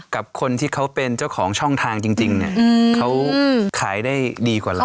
กับคนที่เขาเป็นเจ้าของช่องทางจริงเนี่ยเขาขายได้ดีกว่าเรา